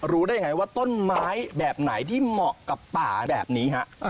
รู้ได้ไงว่าต้นไม้แบบไหนที่เหมาะกับป่าแบบนี้ฮะ